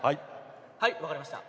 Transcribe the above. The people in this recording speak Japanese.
はい分かりました。